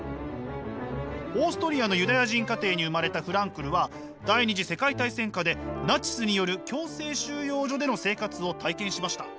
オーストリアのユダヤ人家庭に生まれたフランクルは第２次世界大戦下でナチスによる強制収容所での生活を体験しました。